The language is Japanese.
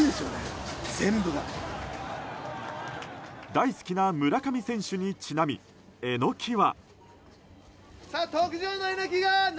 大好きな村上選手にちなみエノキは。